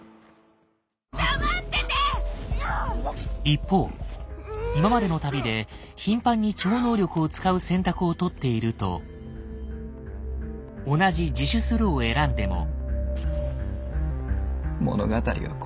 一方今までの旅で頻繁に超能力を使う選択を取っていると同じ「自首する」を選んでも。